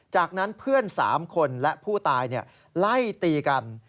จากนั้นเพื่อน๓คนและผู้ตายไล่ตีกัน